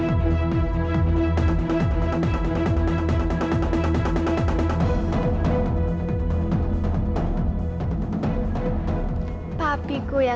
aduh kenapa mesti gue sih